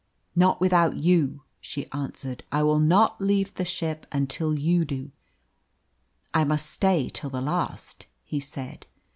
"Not without you," she answered. "I will not leave the ship until you do." "I must stay till the last," he said.